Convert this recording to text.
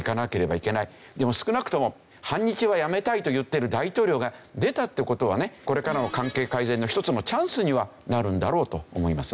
でも少なくとも反日はやめたいと言ってる大統領が出たって事はねこれからの関係改善の一つのチャンスにはなるんだろうと思いますね。